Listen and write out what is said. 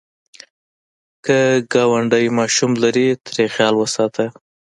که ګاونډی ماشوم لري، ترې خیال وساته